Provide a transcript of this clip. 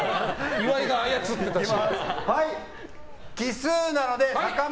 岩井が操ってたし。